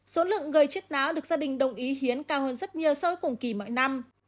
số lượng người chết não được gia đình đồng ý hiến cao hơn rất nhiều so với cùng kỳ mọi năm